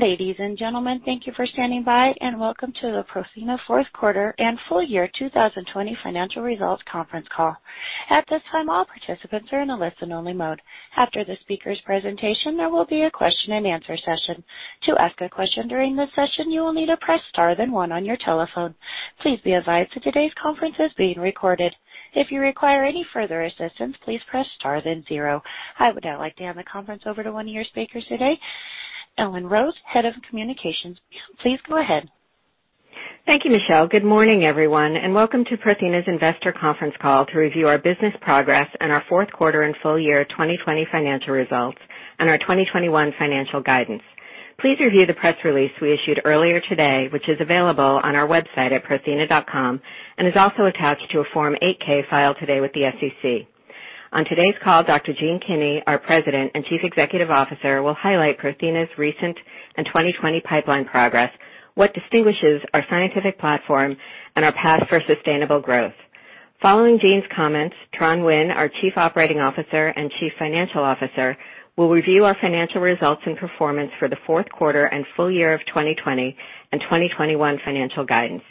Ladies and gentlemen, thank you for standing by, and welcome to the Prothena Fourth Quarter and Full Year 2020 Financial Results Conference Call. At this time, all participants are in a listen only mode. After the speaker's presentation there will be a question and answer session. To ask questions during this session, you will need to press star then one on your telephone. Please be advised that today's call is being recorded. If you require any further assistance, please press star then zero. I would now like to hand the conference over to one of your speakers today, Ellen Rose, Head of Communications. Please go ahead. Thank you, Michelle. Good morning, everyone, and welcome to Prothena's investor conference call to review our business progress and our fourth quarter and full year 2020 financial results, and our 2021 financial guidance. Please review the press release we issued earlier today, which is available on our website at prothena.com and is also attached to a Form 8-K filed today with the SEC. On today's call, Dr. Gene Kinney, our President and Chief Executive Officer, will highlight Prothena's recent and 2020 pipeline progress, what distinguishes our scientific platform, and our path for sustainable growth. Following Gene's comments, Tran Nguyen, our Chief Operating Officer and Chief Financial Officer, will review our financial results and performance for the fourth quarter and full year of 2020 and 2021 financial guidance.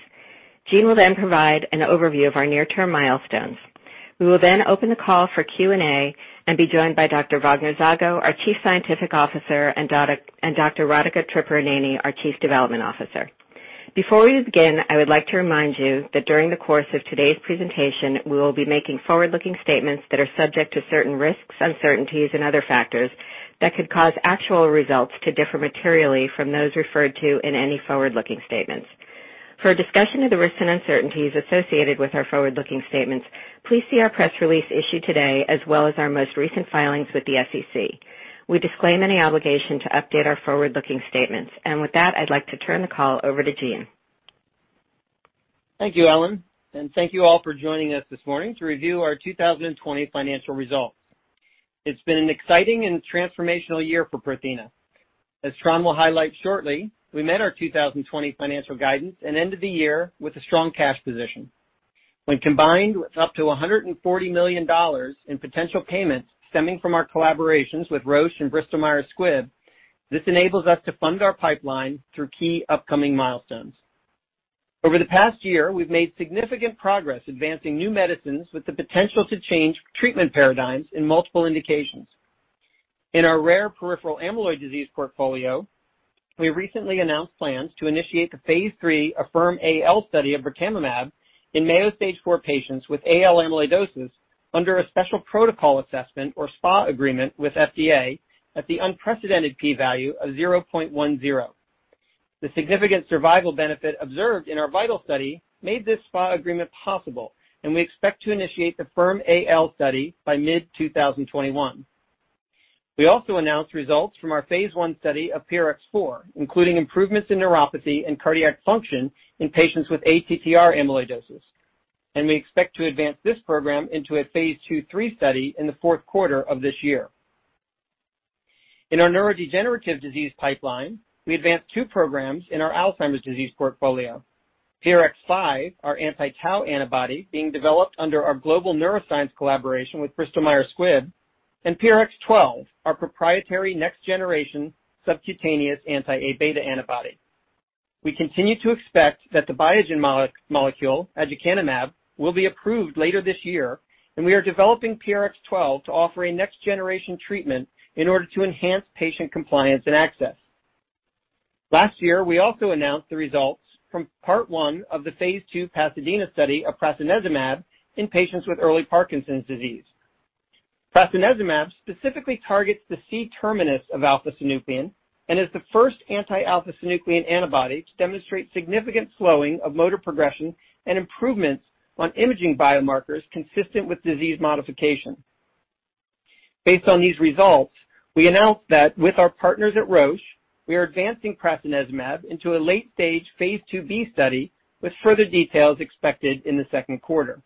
Gene will provide an overview of our near-term milestones. We will then open the call for Q&A and be joined by Dr. Wagner Zago, our Chief Scientific Officer, and Dr. Radhika Tripuraneni, our Chief Development Officer. Before we begin, I would like to remind you that during the course of today's presentation, we will be making forward-looking statements that are subject to certain risks, uncertainties, and other factors that could cause actual results to differ materially from those referred to in any forward-looking statements. For a discussion of the risks and uncertainties associated with our forward-looking statements, please see our press release issued today, as well as our most recent filings with the SEC. We disclaim any obligation to update our forward-looking statements. With that, I'd like to turn the call over to Gene. Thank you, Ellen, and thank you all for joining us this morning to review our 2020 financial results. It's been an exciting and transformational year for Prothena. As Tran will highlight shortly, we met our 2020 financial guidance and ended the year with a strong cash position. When combined with up to $140 million in potential payments stemming from our collaborations with Roche and Bristol Myers Squibb, this enables us to fund our pipeline through key upcoming milestones. Over the past year, we've made significant progress advancing new medicines with the potential to change treatment paradigms in multiple indications. In our rare peripheral amyloid disease portfolio, we recently announced plans to initiate the phase III AFFIRM-AL study of birtamimab in Mayo Stage IV patients with AL amyloidosis under a Special Protocol Assessment, or SPA agreement with FDA at the unprecedented P value of 0.10. The significant survival benefit observed in our VITAL study made this SPA agreement possible. We expect to initiate the AFFIRM-AL study by mid 2021. We also announced results from our phase I study of PRX004, including improvements in neuropathy and cardiac function in patients with ATTR amyloidosis. We expect to advance this program into a phase II, III study in the fourth quarter of this year. In our neurodegenerative disease pipeline, we advanced two programs in our Alzheimer's disease portfolio. PRX005, our anti-tau antibody being developed under our global neuroscience collaboration with Bristol Myers Squibb, and PRX012, our proprietary next generation subcutaneous anti-Aβ antibody. We continue to expect that the Biogen molecule, aducanumab, will be approved later this year, and we are developing PRX012 to offer a next generation treatment in order to enhance patient compliance and access. Last year, we also announced the results from part one of the phase II PASADENA study of prasinezumab in patients with early Parkinson's disease. Prasinezumab specifically targets the C-terminus of alpha-synuclein and is the first anti-alpha-synuclein antibody to demonstrate significant slowing of motor progression and improvements on imaging biomarkers consistent with disease modification. Based on these results, we announced that with our partners at Roche, we are advancing prasinezumab into a late-stage phase IIb study with further details expected in the second quarter.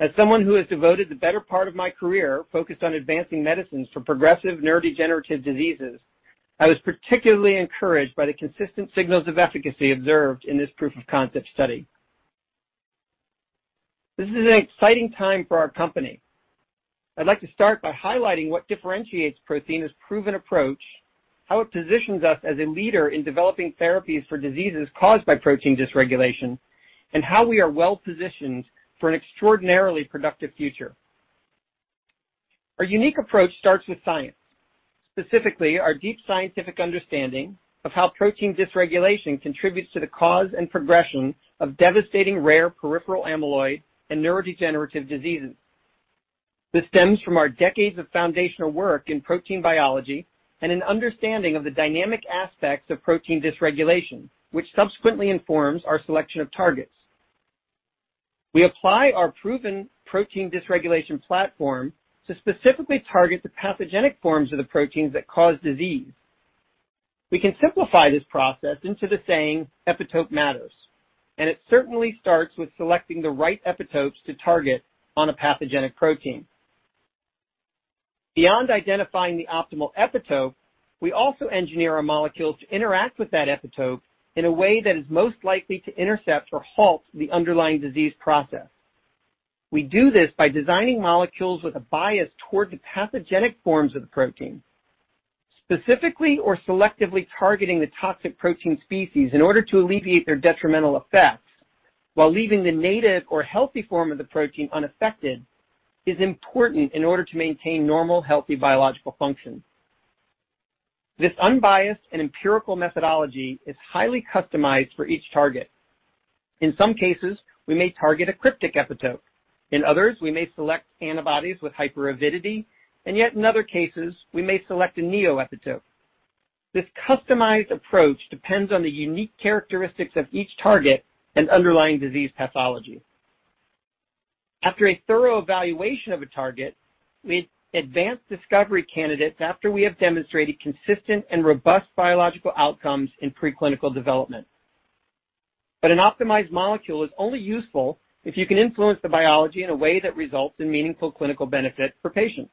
As someone who has devoted the better part of my career focused on advancing medicines for progressive neurodegenerative diseases, I was particularly encouraged by the consistent signals of efficacy observed in this proof of concept study. This is an exciting time for our company. I'd like to start by highlighting what differentiates Prothena's proven approach, how it positions us as a leader in developing therapies for diseases caused by protein dysregulation, and how we are well-positioned for an extraordinarily productive future. Our unique approach starts with science, specifically our deep scientific understanding of how protein dysregulation contributes to the cause and progression of devastating rare peripheral amyloid and neurodegenerative diseases. This stems from our decades of foundational work in protein biology and an understanding of the dynamic aspects of protein dysregulation, which subsequently informs our selection of targets. We apply our proven protein dysregulation platform to specifically target the pathogenic forms of the proteins that cause disease. We can simplify this process into the saying, epitope matters. It certainly starts with selecting the right epitopes to target on a pathogenic protein. Beyond identifying the optimal epitope, we also engineer a molecule to interact with that epitope in a way that is most likely to intercept or halt the underlying disease process. We do this by designing molecules with a bias toward the pathogenic forms of the protein. Specifically or selectively targeting the toxic protein species in order to alleviate their detrimental effects, while leaving the native or healthy form of the protein unaffected, is important in order to maintain normal, healthy biological function. This unbiased and empirical methodology is highly customized for each target. In some cases, we may target a cryptic epitope. In others, we may select antibodies with hyperavidity, and yet in other cases, we may select a neoepitope. This customized approach depends on the unique characteristics of each target and underlying disease pathology. After a thorough evaluation of a target, we advance discovery candidates after we have demonstrated consistent and robust biological outcomes in preclinical development. An optimized molecule is only useful if you can influence the biology in a way that results in meaningful clinical benefit for patients.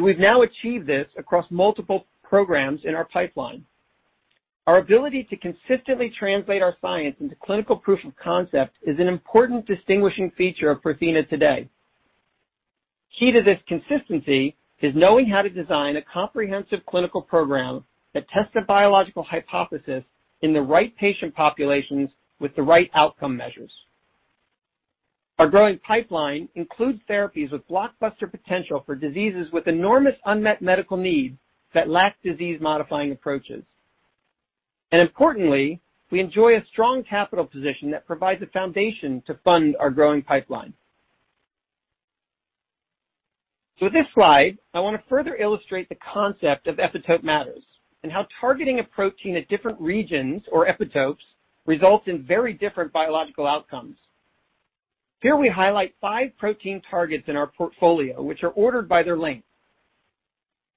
We've now achieved this across multiple programs in our pipeline. Our ability to consistently translate our science into clinical proof of concept is an important distinguishing feature of Prothena today. Key to this consistency is knowing how to design a comprehensive clinical program that tests a biological hypothesis in the right patient populations with the right outcome measures. Our growing pipeline includes therapies with blockbuster potential for diseases with enormous unmet medical needs that lack disease-modifying approaches. Importantly, we enjoy a strong capital position that provides a foundation to fund our growing pipeline. With this slide, I want to further illustrate the concept of epitope matters and how targeting a protein at different regions or epitopes results in very different biological outcomes. Here we highlight five protein targets in our portfolio, which are ordered by their length.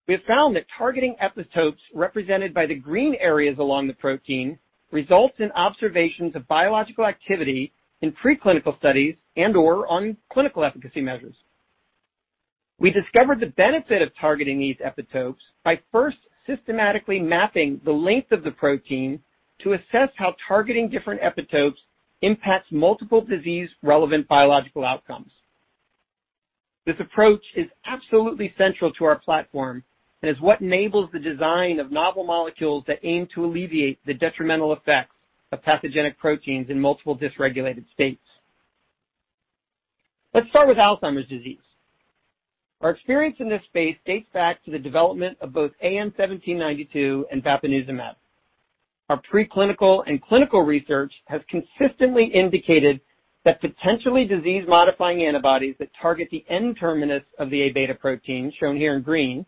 We have found that targeting epitopes represented by the green areas along the protein results in observations of biological activity in preclinical studies and/or on clinical efficacy measures. We discovered the benefit of targeting these epitopes by first systematically mapping the length of the protein to assess how targeting different epitopes impacts multiple disease-relevant biological outcomes. This approach is absolutely central to our platform and is what enables the design of novel molecules that aim to alleviate the detrimental effects of pathogenic proteins in multiple dysregulated states. Let's start with Alzheimer's disease. Our experience in this space dates back to the development of both AN1792 and bapineuzumab. Our preclinical and clinical research has consistently indicated that potentially disease-modifying antibodies that target the N-terminus of the Aβ protein, shown here in green,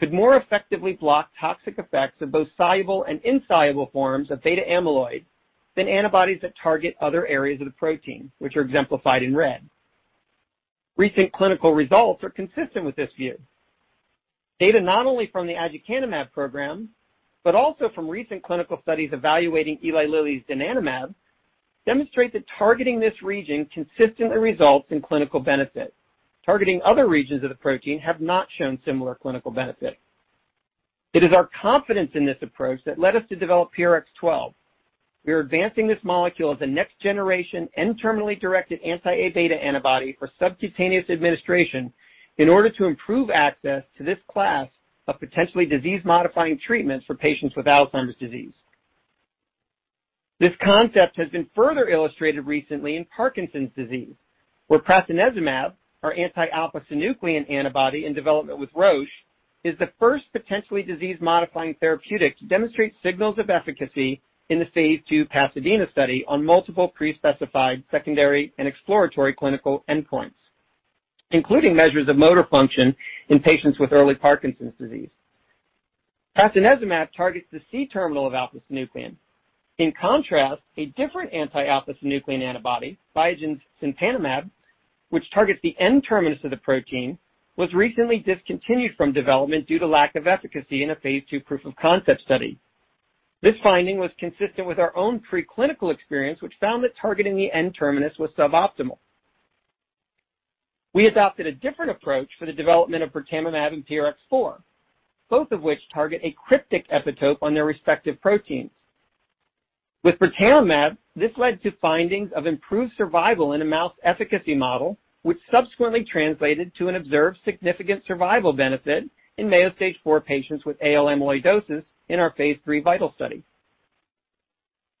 could more effectively block toxic effects of both soluble and insoluble forms of beta amyloid than antibodies that target other areas of the protein, which are exemplified in red. Recent clinical results are consistent with this view. Data not only from the aducanumab program but also from recent clinical studies evaluating Eli Lilly's donanemab demonstrate that targeting this region consistently results in clinical benefit. Targeting other regions of the protein have not shown similar clinical benefit. It is our confidence in this approach that led us to develop PRX012. We are advancing this molecule as a next-generation N-terminally directed anti-Aβ antibody for subcutaneous administration in order to improve access to this class of potentially disease-modifying treatments for patients with Alzheimer's disease. This concept has been further illustrated recently in Parkinson's disease, where prasinezumab, our anti-alpha-synuclein antibody in development with Roche, is the first potentially disease-modifying therapeutic to demonstrate signals of efficacy in the phase II PASADENA study on multiple pre-specified secondary and exploratory clinical endpoints, including measures of motor function in patients with early Parkinson's disease. Prasinezumab targets the C-terminus of alpha-synuclein. In contrast, a different anti-alpha-synuclein antibody, Biogen's cinpanemab, which targets the N-terminus of the protein, was recently discontinued from development due to lack of efficacy in a phase II proof of concept study. This finding was consistent with our own preclinical experience, which found that targeting the N-terminus was suboptimal. We adopted a different approach for the development of birtamimab and PRX004, both of which target a cryptic epitope on their respective proteins. With birtamimab, this led to findings of improved survival in a mouse efficacy model, which subsequently translated to an observed significant survival benefit in Mayo Stage IV patients with AL amyloidosis in our phase III VITAL study.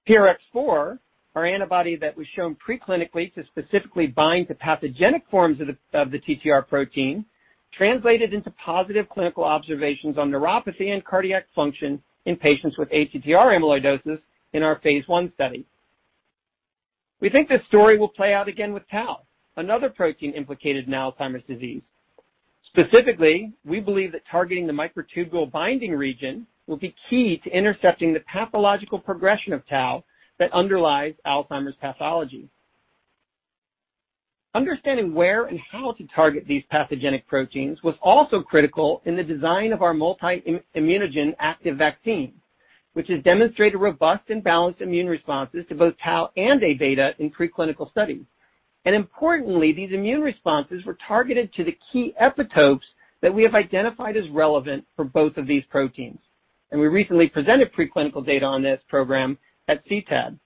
PRX004, our antibody that was shown preclinically to specifically bind to pathogenic forms of the TTR protein, translated into positive clinical observations on neuropathy and cardiac function in patients with ATTR amyloidosis in our phase I study. We think this story will play out again with tau, another protein implicated in Alzheimer's disease. Specifically, we believe that targeting the microtubule binding region will be key to intercepting the pathological progression of tau that underlies Alzheimer's pathology. Understanding where and how to target these pathogenic proteins was also critical in the design of our multi-immunogen active vaccine, which has demonstrated robust and balanced immune responses to both tau and Aβ in preclinical studies. Importantly, these immune responses were targeted to the key epitopes that we have identified as relevant for both of these proteins. We recently presented preclinical data on this program at CTAD.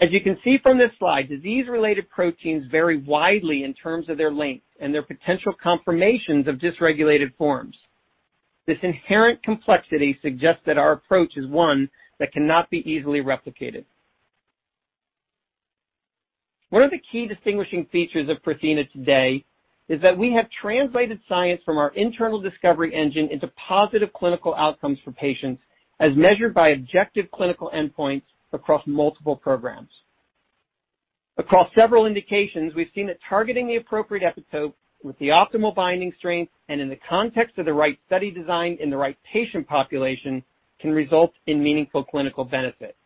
As you can see from this slide, disease-related proteins vary widely in terms of their length and their potential conformations of dysregulated forms. This inherent complexity suggests that our approach is one that cannot be easily replicated. One of the key distinguishing features of Prothena today is that we have translated science from our internal discovery engine into positive clinical outcomes for patients, as measured by objective clinical endpoints across multiple programs. Across several indications, we've seen that targeting the appropriate epitope with the optimal binding strength and in the context of the right study design and the right patient population can result in meaningful clinical benefit.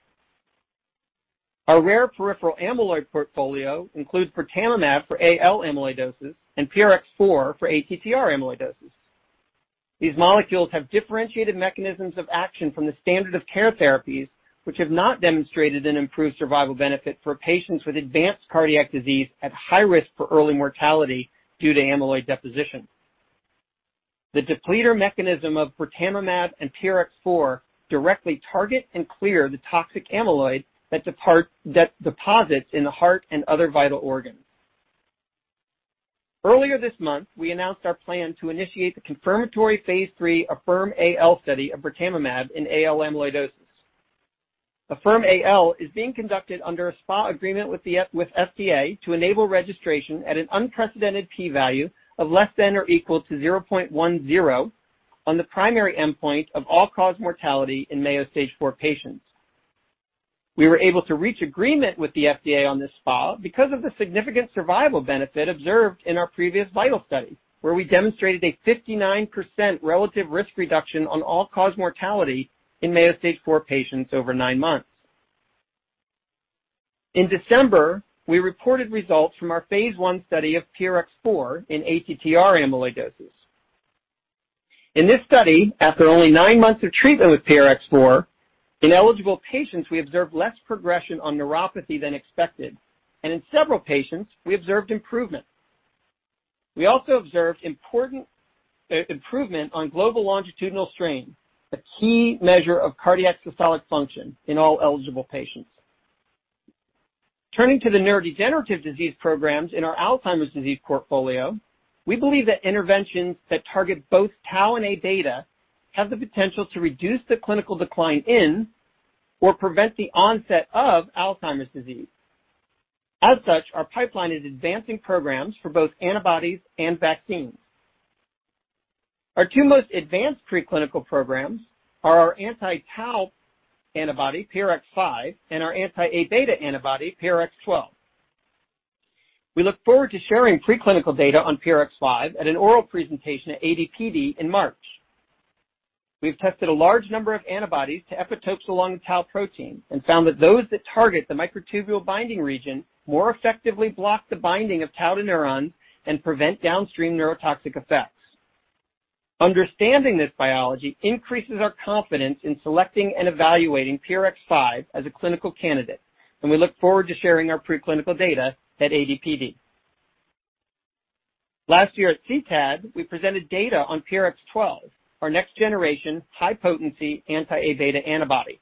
Our rare peripheral amyloid portfolio includes birtamimab for AL amyloidosis and PRX004 for ATTR amyloidosis. These molecules have differentiated mechanisms of action from the standard of care therapies, which have not demonstrated an improved survival benefit for patients with advanced cardiac disease at high risk for early mortality due to amyloid deposition. The depleter mechanism of birtamimab and PRX004 directly target and clear the toxic amyloid that deposits in the heart and other vital organs. Earlier this month, we announced our plan to initiate the confirmatory phase III AFFIRM-AL study of birtamimab in AL amyloidosis. AFFIRM-AL is being conducted under a SPA agreement with FDA to enable registration at an unprecedented P value of less than or equal to 0.10 on the primary endpoint of all-cause mortality in Mayo Stage IV patients. We were able to reach agreement with the FDA on this SPA because of the significant survival benefit observed in our previous VITAL study, where we demonstrated a 59% relative risk reduction on all-cause mortality in Mayo Stage IV patients over nine months. In December, we reported results from our phase I study of PRX004 in ATTR amyloidosis. In this study, after only nine months of treatment with PRX004, in eligible patients, we observed less progression on neuropathy than expected, and in several patients, we observed improvement. We also observed important improvement on global longitudinal strain, a key measure of cardiac systolic function in all eligible patients. Turning to the neurodegenerative disease programs in our Alzheimer's disease portfolio, we believe that interventions that target both tau and Aβ have the potential to reduce the clinical decline in or prevent the onset of Alzheimer's disease. As such, our pipeline is advancing programs for both antibodies and vaccines. Our two most advanced preclinical programs are our anti-tau antibody, PRX005, and our anti-A-beta antibody, PRX012. We look forward to sharing preclinical data on PRX005 at an oral presentation at ADPD in March. We've tested a large number of antibodies to epitopes along the tau protein and found that those that target the microtubule binding region more effectively block the binding of tau to neurons and prevent downstream neurotoxic effects. Understanding this biology increases our confidence in selecting and evaluating PRX005 as a clinical candidate, and we look forward to sharing our preclinical data at ADPD. Last year at CTAD, we presented data on PRX012, our next-generation high-potency anti-Aβ antibody.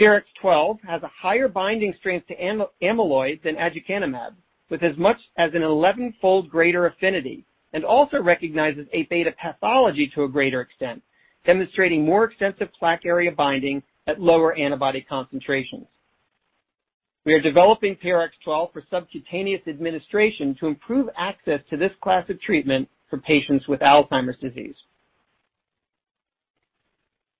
PRX012 has a higher binding strength to amyloid than aducanumab, with as much as an 11-fold greater affinity, and also recognizes Aβ pathology to a greater extent, demonstrating more extensive plaque area binding at lower antibody concentrations. We are developing PRX012 for subcutaneous administration to improve access to this class of treatment for patients with Alzheimer's disease.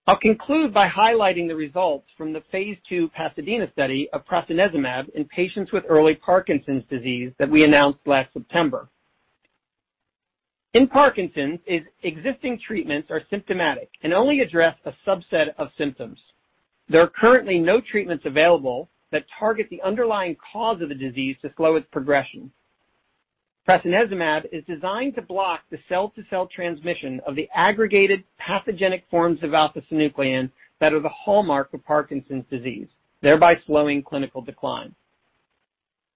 I'll conclude by highlighting the results from the phase II PASADENA study of prasinezumab in patients with early Parkinson's disease that we announced last September. In Parkinson's, existing treatments are symptomatic and only address a subset of symptoms. There are currently no treatments available that target the underlying cause of the disease to slow its progression. Prasinezumab is designed to block the cell-to-cell transmission of the aggregated pathogenic forms of alpha-synuclein that are the hallmark of Parkinson's disease, thereby slowing clinical decline.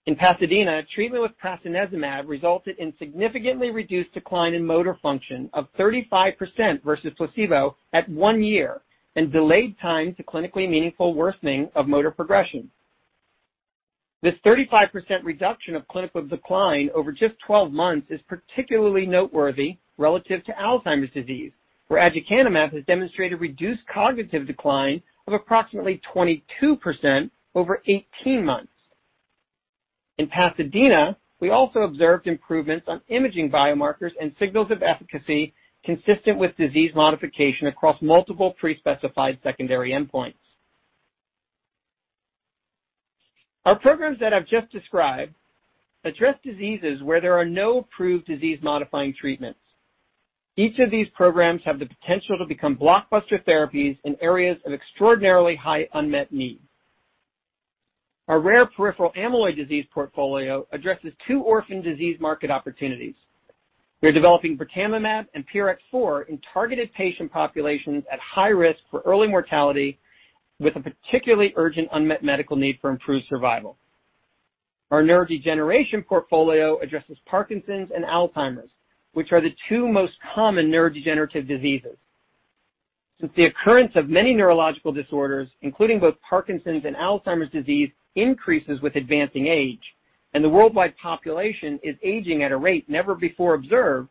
In PASADENA, treatment with prasinezumab resulted in significantly reduced decline in motor function of 35% versus placebo at one year and delayed time to clinically meaningful worsening of motor progression. This 35% reduction of clinical decline over just 12 months is particularly noteworthy relative to Alzheimer's disease, where aducanumab has demonstrated reduced cognitive decline of approximately 22% over 18 months. In PASADENA, we also observed improvements on imaging biomarkers and signals of efficacy consistent with disease modification across multiple pre-specified secondary endpoints. Our programs that I've just described address diseases where there are no approved disease-modifying treatments. Each of these programs have the potential to become blockbuster therapies in areas of extraordinarily high unmet need. Our rare peripheral amyloid disease portfolio addresses two orphan disease market opportunities. We are developing birtamimab and PRX004 in targeted patient populations at high risk for early mortality with a particularly urgent unmet medical need for improved survival. Our neurodegeneration portfolio addresses Parkinson's and Alzheimer's, which are the two most common neurodegenerative diseases. Since the occurrence of many neurological disorders, including both Parkinson's disease and Alzheimer's disease, increases with advancing age and the worldwide population is aging at a rate never before observed,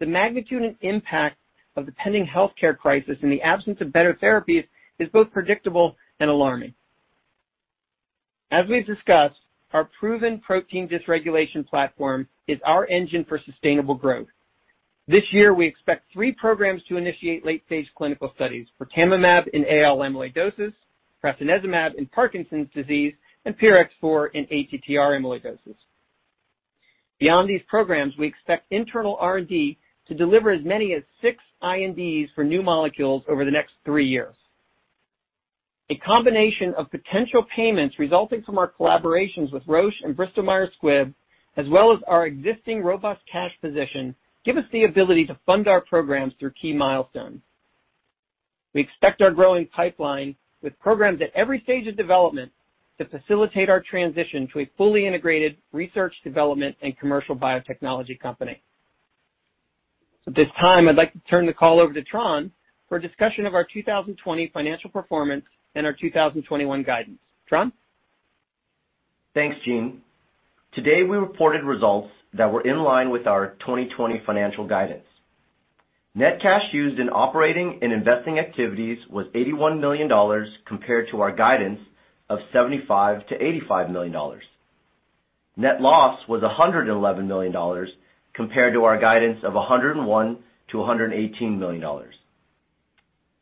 the magnitude and impact of the pending healthcare crisis in the absence of better therapies is both predictable and alarming. As we've discussed, our proven protein dysregulation platform is our engine for sustainable growth. This year, we expect three programs to initiate late-stage clinical studies for birtamimab in AL amyloidosis, prasinezumab in Parkinson's disease, and PRX004 in ATTR amyloidosis. Beyond these programs, we expect internal R&D to deliver as many as six INDs for new molecules over the next three years. A combination of potential payments resulting from our collaborations with Roche and Bristol Myers Squibb, as well as our existing robust cash position, give us the ability to fund our programs through key milestones. We expect our growing pipeline with programs at every stage of development to facilitate our transition to a fully integrated research, development, and commercial biotechnology company. At this time, I'd like to turn the call over to Tran for a discussion of our 2020 financial performance and our 2021 guidance. Tran? Thanks, Gene. Today, we reported results that were in line with our 2020 financial guidance. Net cash used in operating and investing activities was $81 million compared to our guidance of $75 million-$85 million. Net loss was $111 million compared to our guidance of $101 million-$118 million.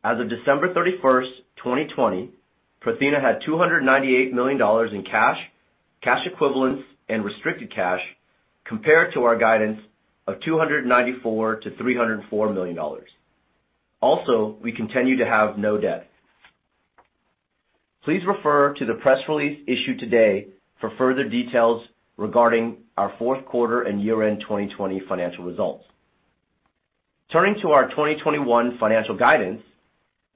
As of December 31st, 2020, Prothena had $298 million in cash equivalents, and restricted cash compared to our guidance of $294 million-$304 million. We continue to have no debt. Please refer to the press release issued today for further details regarding our fourth quarter and year-end 2020 financial results. Turning to our 2021 financial guidance,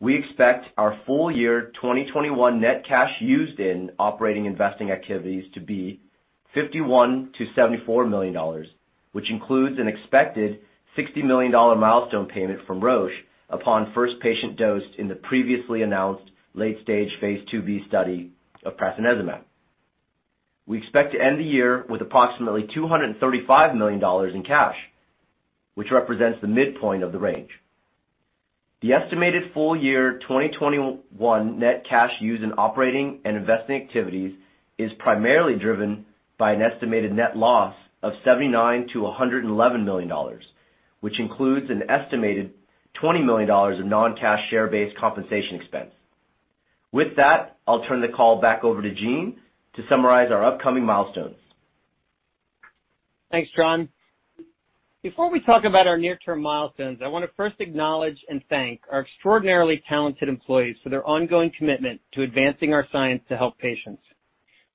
we expect our full year 2021 net cash used in operating investing activities to be $51 million-$74 million, which includes an expected $60 million milestone payment from Roche upon first patient dosed in the previously announced late-stage phase IIb study of prasinezumab. We expect to end the year with approximately $235 million in cash, which represents the midpoint of the range. The estimated full-year 2021 net cash used in operating and investing activities is primarily driven by an estimated net loss of $79 million-$111 million, which includes an estimated $20 million of non-cash share-based compensation expense. With that, I'll turn the call back over to Gene to summarize our upcoming milestones. Thanks, Tran. Before we talk about our near-term milestones, I want to first acknowledge and thank our extraordinarily talented employees for their ongoing commitment to advancing our science to help patients.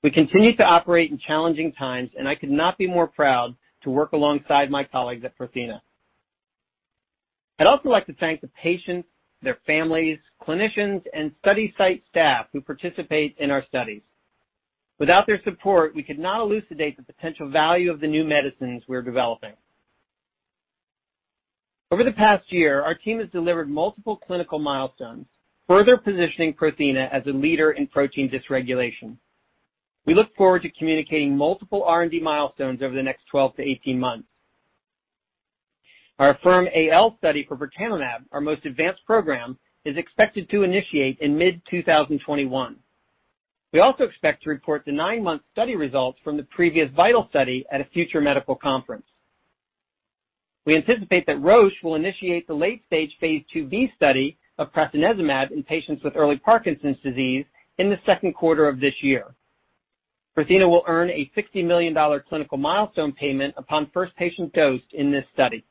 We continue to operate in challenging times. I could not be more proud to work alongside my colleagues at Prothena. I'd also like to thank the patients, their families, clinicians, and study site staff who participate in our studies. Without their support, we could not elucidate the potential value of the new medicines we're developing. Over the past year, our team has delivered multiple clinical milestones, further positioning Prothena as a leader in protein dysregulation. We look forward to communicating multiple R&D milestones over the next 12 to 18 months. Our AFFIRM-AL study for birtamimab, our most advanced program, is expected to initiate in mid-2021. We also expect to report the nine-month study results from the previous VITAL study at a future medical conference. We anticipate that Roche will initiate the late-stage phase II-B study of prasinezumab in patients with early Parkinson's disease in the second quarter of this year. Prothena will earn a $60 million clinical milestone payment upon first patient dosed in this study.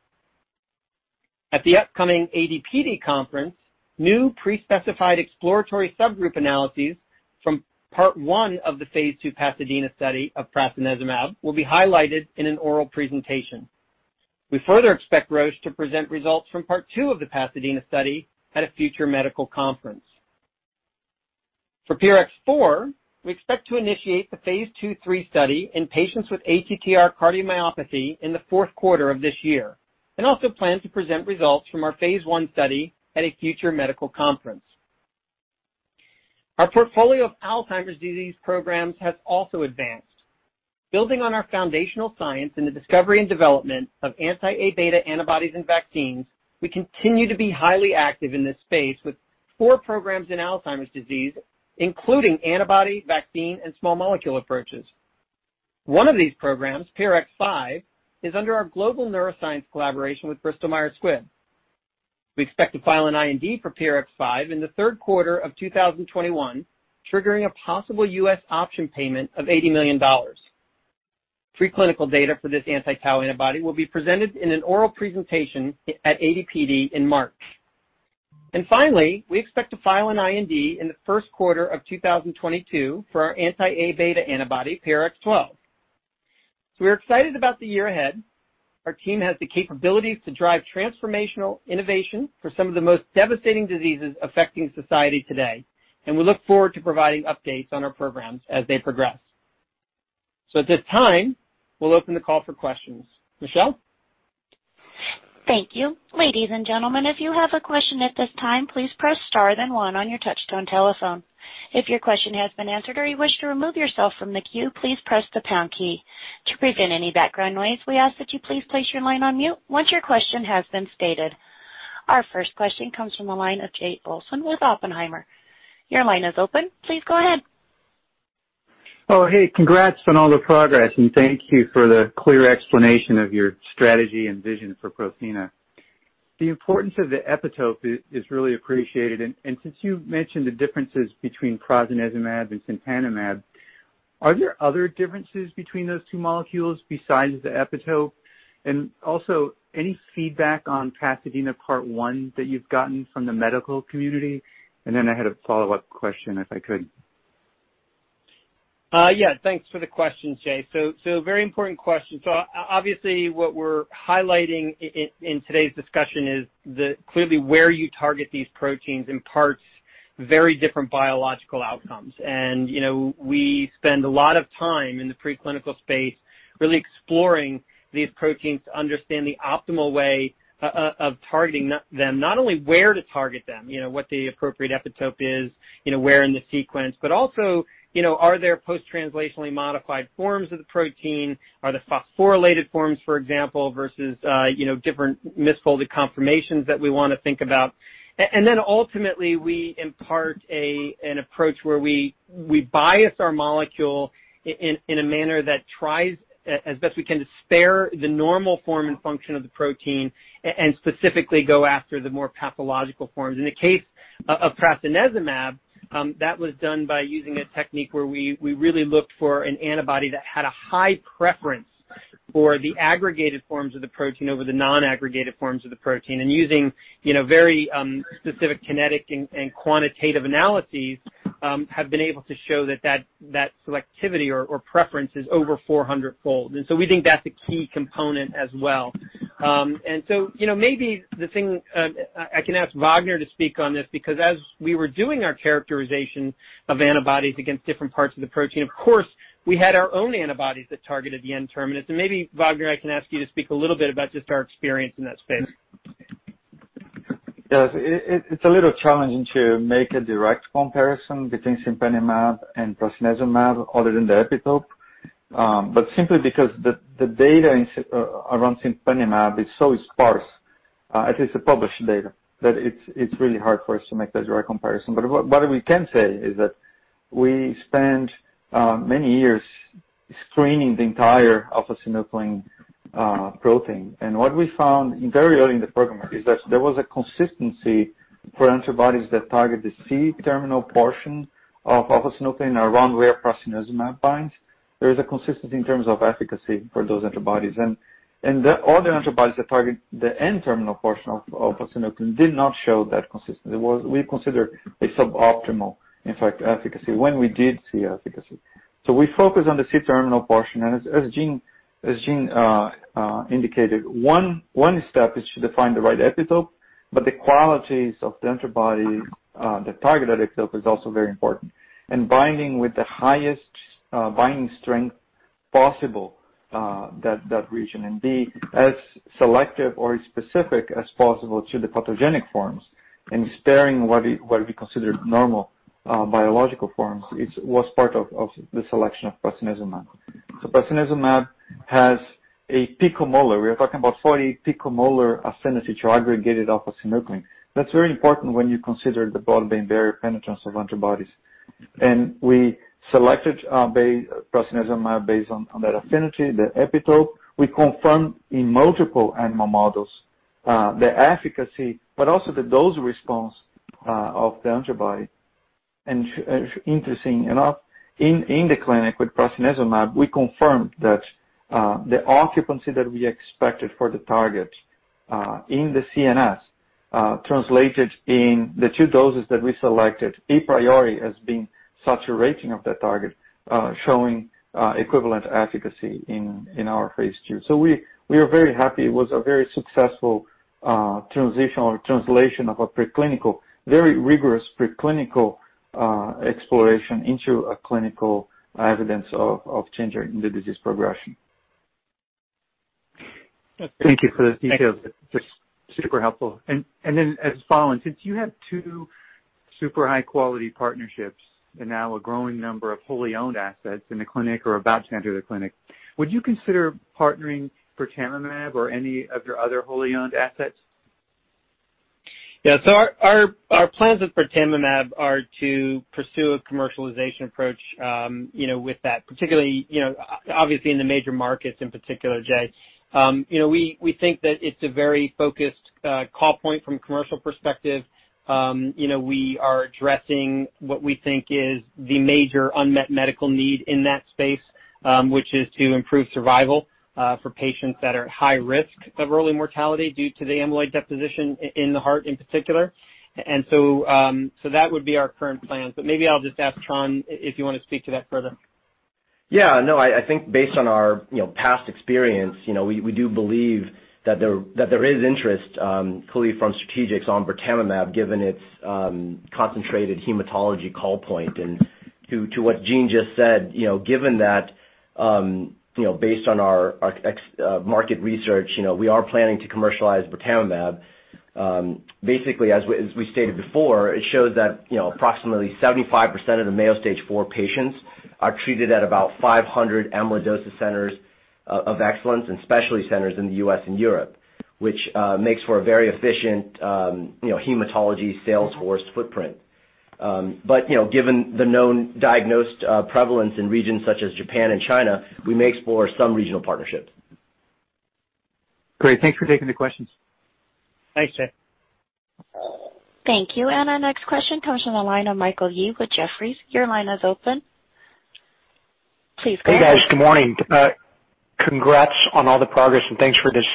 At the upcoming ADPD conference, new pre-specified exploratory subgroup analyses from part one of the phase II PASADENA study of prasinezumab will be highlighted in an oral presentation. We further expect Roche to present results from part two of the PASADENA study at a future medical conference. For PRX004, we expect to initiate the phase II/III study in patients with ATTR cardiomyopathy in the fourth quarter of this year and also plan to present results from our phase I study at a future medical conference. Our portfolio of Alzheimer's disease programs has also advanced. Building on our foundational science and the discovery and development of anti-Aβ antibodies and vaccines, we continue to be highly active in this space with four programs in Alzheimer's disease, including antibody, vaccine, and small molecule approaches. One of these programs, PRX005, is under our global neuroscience collaboration with Bristol Myers Squibb. We expect to file an IND for PRX005 in the third quarter of 2021, triggering a possible U.S. option payment of $80 million. Preclinical data for this anti-tau antibody will be presented in an oral presentation at ADPD in March. Finally, we expect to file an IND in the first quarter of 2022 for our anti-Aβ antibody, PRX012. We're excited about the year ahead. Our team has the capabilities to drive transformational innovation for some of the most devastating diseases affecting society today, and we look forward to providing updates on our programs as they progress. At this time, we'll open the call for questions. Michelle? Thank you. Ladies and gentlemen, if you have a question at this time, please press star then one on your touch-tone telephone. If your question has been answered or you wish to remove yourself from the queue, please press the pound key. To prevent any background noise, we ask that you please place your line on mute once your question has been stated. Our first question comes from the line of Jay Olson with Oppenheimer. Your line is open. Please go ahead. Hey, congrats on all the progress, and thank you for the clear explanation of your strategy and vision for Prothena. The importance of the epitope is really appreciated. Since you've mentioned the differences between prasinezumab and cinpanemab, are there other differences between those two molecules besides the epitope? Also, any feedback on PASADENA Part One that you've gotten from the medical community? Then I had a follow-up question, if I could. Yeah, thanks for the question, Jay Olson. Very important question. Obviously what we're highlighting in today's discussion is that clearly where you target these proteins imparts very different biological outcomes. We spend a lot of time in the preclinical space really exploring these proteins to understand the optimal way of targeting them. Not only where to target them, what the appropriate epitope is, where in the sequence, but also, are there post-translationally modified forms of the protein? Are there phosphorylated forms, for example, versus different misfolded conformations that we want to think about? Ultimately, we impart an approach where we bias our molecule in a manner that tries as best we can to spare the normal form and function of the protein and specifically go after the more pathological forms. In the case of prasinezumab, that was done by using a technique where we really looked for an antibody that had a high preference for the aggregated forms of the protein over the non-aggregated forms of the protein. Using very specific kinetic and quantitative analyses, have been able to show that selectivity or preference is over 400-fold. We think that's a key component as well. Maybe the thing, I can ask Wagner to speak on this, because as we were doing our characterization of antibodies against different parts of the protein, of course, we had our own antibodies that targeted the N-terminus. Maybe, Wagner, I can ask you to speak a little bit about just our experience in that space. Yes. It's a little challenging to make a direct comparison between cinpanemab and prasinezumab other than the epitope. Simply because the data around cinpanemab is so sparse, at least the published data, that it's really hard for us to make that direct comparison. What we can say is that we spent many years screening the entire alpha-synuclein protein. What we found very early in the program is that there was a consistency for antibodies that target the C-terminal portion of alpha-synuclein around where prasinezumab binds. There is a consistency in terms of efficacy for those antibodies. The other antibodies that target the N-terminal portion of alpha-synuclein did not show that consistency. We consider it suboptimal, in fact, efficacy, when we did see efficacy. We focused on the C-terminal portion, and as Gene indicated, one step is to define the right epitope, but the qualities of the antibody that target that epitope is also very important. Binding with the highest binding strength possible that region and be as selective or as specific as possible to the pathogenic forms and sparing what we consider normal biological forms, it was part of the selection of prasinezumab. Prasinezumab has a picomolar, we are talking about 40 picomolar affinity to aggregated alpha-synuclein. That's very important when you consider the blood-brain barrier penetrance of antibodies. We selected prasinezumab based on that affinity, the epitope. We confirmed in multiple animal models the efficacy, but also the dose response of the antibody. Interesting enough, in the clinic with prasinezumab, we confirmed that the occupancy that we expected for the target in the CNS translated in the two doses that we selected a priori as being saturating of that target, showing equivalent efficacy in our phase II. We are very happy. It was a very successful transition or translation of a preclinical, very rigorous preclinical exploration into a clinical evidence of change in the disease progression. Thank you for those details. That's super helpful. As a follow-on, since you have two super high-quality partnerships and now a growing number of wholly owned assets in the clinic or about to enter the clinic, would you consider partnering birtamimab or any of your other wholly owned assets? Our plans with birtamimab are to pursue a commercialization approach with that, particularly, obviously in the major markets in particular, Jay. We think that it's a very focused call point from a commercial perspective. We are addressing what we think is the major unmet medical need in that space, which is to improve survival for patients that are at high risk of early mortality due to the amyloid deposition in the heart in particular. That would be our current plans. Maybe I'll just ask Tran if you want to speak to that further. Yeah, no, I think based on our past experience, we do believe that there is interest, clearly from strategics, on birtamimab, given its concentrated hematology call point. To what Gene just said, given that based on our market research, we are planning to commercialize birtamimab. Basically, as we stated before, it shows that approximately 75% of the Mayo Stage IV patients are treated at about 500 amyloidosis centers of excellence and specialty centers in the U.S. and Europe, which makes for a very efficient hematology sales force footprint. Given the known diagnosed prevalence in regions such as Japan and China, we may explore some regional partnerships. Great. Thanks for taking the questions. Thanks, Jay. Thank you. Our next question comes from the line of Michael Yee with Jefferies. Your line is open. Please go ahead. Hey, guys. Good morning. Congrats on all the progress and thanks for this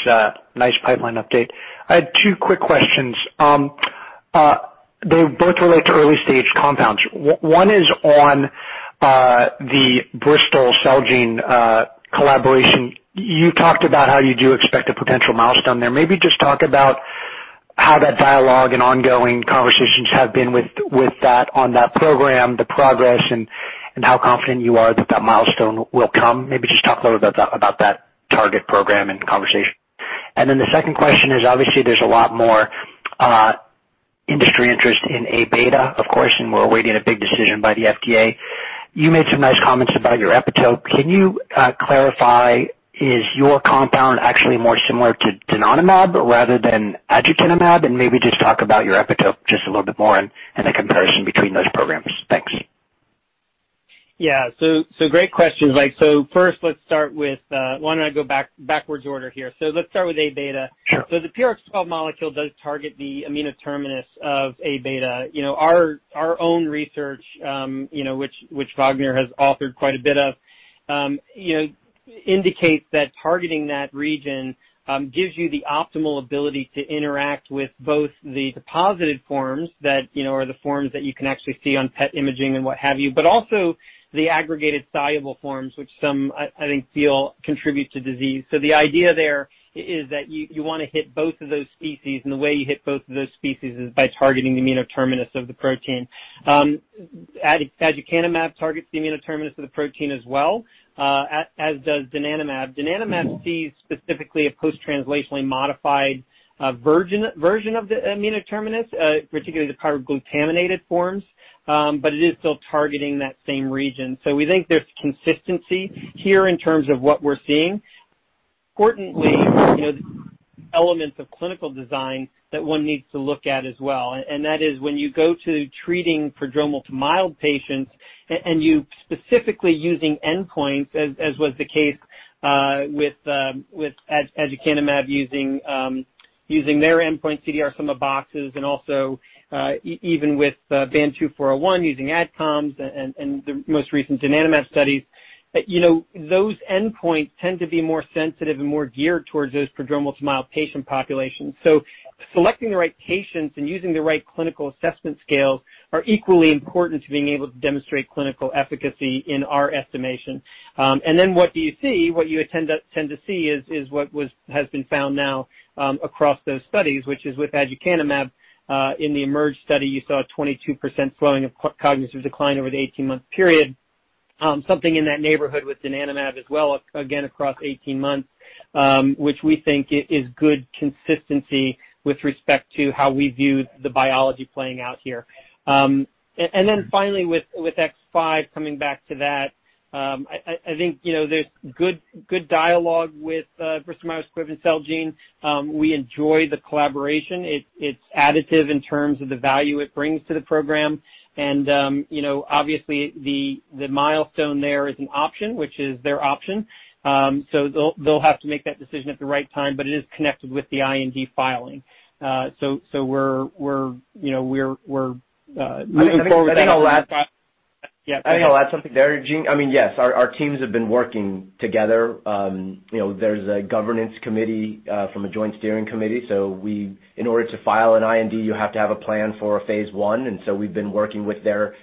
nice pipeline update. I had two quick questions. They both relate to early-stage compounds. One is on the Bristol Celgene collaboration. You talked about how you do expect a potential milestone there. Maybe just talk about how that dialogue and ongoing conversations have been with that on that program, the progress, and how confident you are that that milestone will come. Maybe just talk a little bit about that target program and conversation. The second question is, obviously, there's a lot more industry interest in Aβ, of course, and we're awaiting a big decision by the FDA. You made some nice comments about your epitope. Can you clarify, is your compound actually more similar to donanemab rather than aducanumab? Maybe just talk about your epitope just a little bit more and the comparison between those programs. Thanks. Yeah. Great questions, Mike. First, let's start with why don't I go backwards order here. let's start with Aβ. Sure. The PRX012 molecule does target the amino terminus of Aβ. Our own research, which Wagner has authored quite a bit of, indicates that targeting that region gives you the optimal ability to interact with both the deposited forms that are the forms that you can actually see on PET imaging and what have you, but also the aggregated soluble forms, which some, I think, feel contribute to disease. The idea there is that you want to hit both of those species, and the way you hit both of those species is by targeting the amino terminus of the protein. aducanumab targets the amino terminus of the protein as well, as does donanemab. Donanemab sees specifically a post-translationally modified version of the amino terminus, particularly the pyroglutamated forms, but it is still targeting that same region. We think there's consistency here in terms of what we're seeing. Importantly, elements of clinical design that one needs to look at as well, and that is when you go to treating prodromal to mild patients and you specifically using endpoints, as was the case with aducanumab using their endpoint CDR Sum of Boxes and also even with BAN2401 using ADCOMS and the most recent donanemab studies, those endpoints tend to be more sensitive and more geared towards those prodromal to mild patient populations. Selecting the right patients and using the right clinical assessment scales are equally important to being able to demonstrate clinical efficacy in our estimation. What do you see? What you tend to see is what has been found now across those studies, which is with aducanumab. In the EMERGE study, you saw a 22% slowing of cognitive decline over the 18-month period. Something in that neighborhood with donanemab as well, again, across 18 months, which we think is good consistency with respect to how we view the biology playing out here. Finally with PRX005, coming back to that, I think there's good dialogue with Bristol Myers Squibb and Celgene. We enjoy the collaboration. It's additive in terms of the value it brings to the program. Obviously the milestone there is an option, which is their option. They'll have to make that decision at the right time. It is connected with the IND filing. We're looking forward to that. I think I'll add something there, Gene. I mean, yes, our teams have been working together. There's a governance committee from a joint steering committee. In order to file an IND, you have to have a plan for a phase I, and so we've been working with their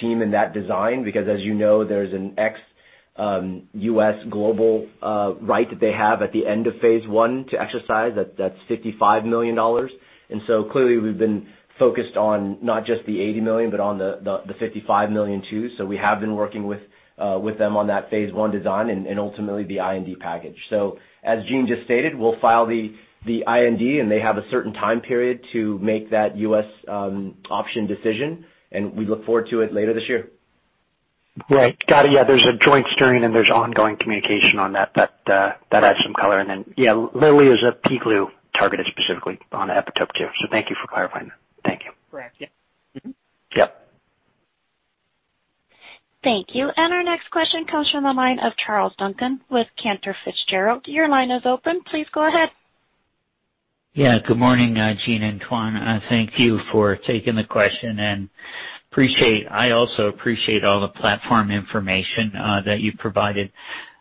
team in that design, because as you know, there's an ex-U.S. global right that they have at the end of phase I to exercise. That's $55 million. Clearly we've been focused on not just the $80 million, but on the $55 million, too. We have been working with them on that phase I design and ultimately the IND package. As Gene just stated, we'll file the IND, and they have a certain time period to make that U.S. option decision, and we look forward to it later this year. Great. Got it. There's a joint steering and there's ongoing communication on that. That adds some color. Lilly is a pGlu targeted specifically on the epitope, too. Thank you for clarifying that. Thank you. Correct. Yep. Mm-hmm. Yep. Thank you. Our next question comes from the line of Charles Duncan with Cantor Fitzgerald. Your line is open. Please go ahead. Good morning, Gene and Tran. Thank you for taking the question and I also appreciate all the platform information that you provided.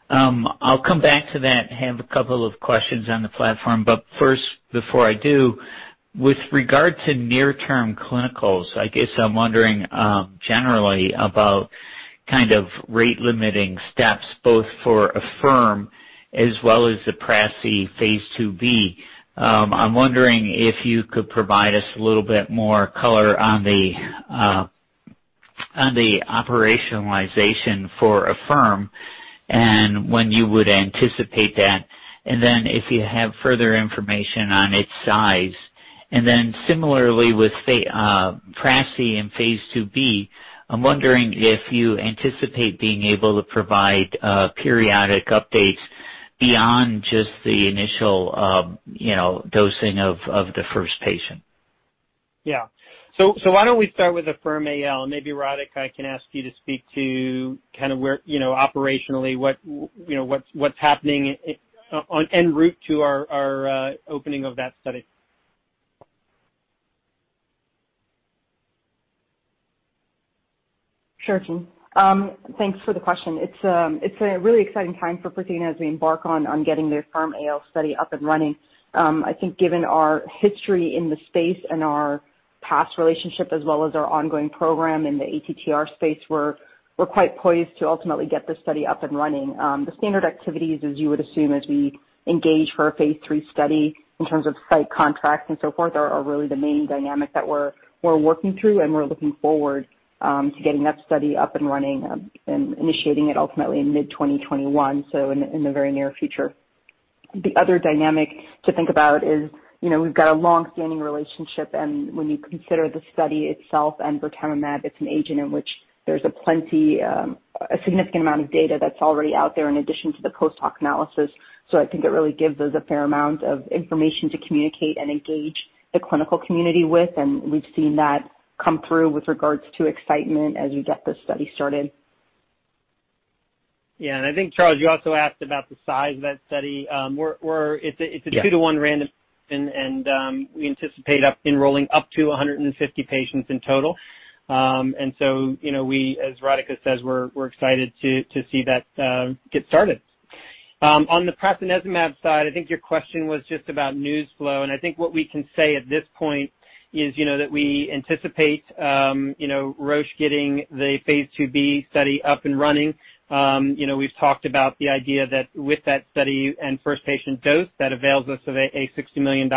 I'll come back to that. I have a couple of questions on the platform. First, before I do, with regard to near-term clinicals, I guess I'm wondering generally about rate limiting steps, both for AFFIRM as well as the prasinezumab phase II-B. I'm wondering if you could provide us a little bit more color on the operationalization for AFFIRM and when you would anticipate that, and then if you have further information on its size. Similarly with prasinezumab in phase II-B, I'm wondering if you anticipate being able to provide periodic updates beyond just the initial dosing of the first patient. Yeah. Why don't we start with AFFIRM-AL, and maybe Radhika, I can ask you to speak to where operationally what's happening en route to our opening of that study. Sure, Gene. Thanks for the question. It's a really exciting time for Prothena as we embark on getting the AFFIRM-AL study up and running. I think given our history in the space and our past relationship as well as our ongoing program in the ATTR space, we're quite poised to ultimately get this study up and running. The standard activities, as you would assume, as we engage for a Phase III study in terms of site contracts and so forth, are really the main dynamic that we're working through, and we're looking forward to getting that study up and running and initiating it ultimately in mid-2021, so in the very near future. The other dynamic to think about is, we've got a longstanding relationship, and when you consider the study itself and birtamimab, it's an agent in which there's a significant amount of data that's already out there in addition to the post-hoc analysis. I think it really gives us a fair amount of information to communicate and engage the clinical community with, and we've seen that come through with regards to excitement as we get this study started. Yeah. I think, Charles, you also asked about the size of that study. Yeah. It's a 2:1 random. We anticipate enrolling up to 150 patients in total. As Radhika says, we're excited to see that get started. On the prasinezumab side, I think your question was just about news flow. I think what we can say at this point is that we anticipate Roche getting the Phase IIb study up and running. We've talked about the idea that with that study and first patient dose, that avails us of a $60 million